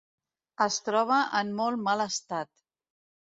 Es troba en molt mal estat.